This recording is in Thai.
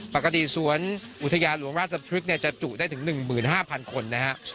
ปกติสวนอุทยาหลวงราชสะพริกเนี่ยจะจุได้ถึง๑๕๐๐๐คนนะฮะ